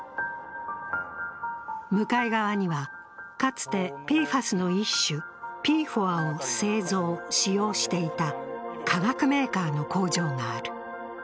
向かい側には、かつてＰＦＡＳの一種、ＰＦＯＡを製造・使用していた化学メーカーの工場がある。